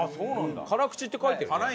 辛口って書いてあるね。